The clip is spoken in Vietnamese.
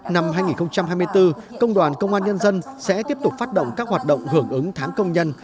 năm hai nghìn hai mươi bốn công đoàn công an nhân dân sẽ tiếp tục phát động các hoạt động hưởng ứng tháng công nhân